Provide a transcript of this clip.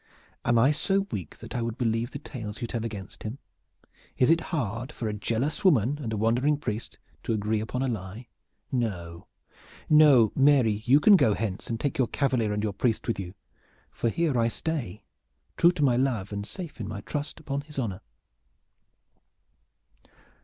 Am I so weak that I would believe the tales you tell against him? Is it hard for a jealous woman and a wandering priest to agree upon a lie? No, no, Mary, you can go hence and take your cavalier and your priest with you, for here I stay, true to my love and safe in my trust upon his honor!"